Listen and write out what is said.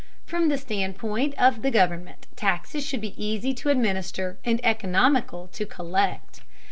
From the standpoint of the government, taxes should be easy to administer and economical to collect.